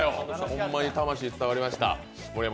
ホンマに魂伝わりました。